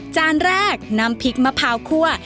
จานแรกน้ำพริกมะพร้าวคั่ว